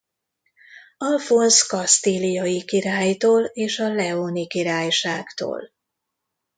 Alfonz kasztíliai királytól és a Leóni királyságtól.